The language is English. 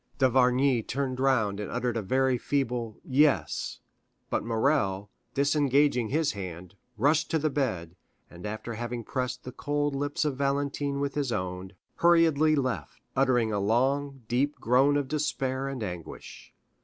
D'Avrigny turned round and uttered a very feeble "Yes," but Morrel, disengaging his hand, rushed to the bed, and after having pressed the cold lips of Valentine with his own, hurriedly left, uttering a long, deep groan of despair and anguish.